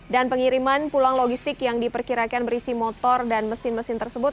dan pengiriman pulang logistik yang diperkirakan berisi motor dan mesin mesin tersebut